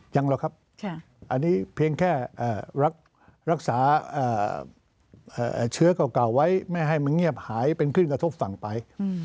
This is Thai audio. ยังหรอกครับอันนี้เพียงแค่รักษาเชื้อเก่าไว้ไม่ให้มันเงียบหายเป็นขึ้นกระทบฝั่งไป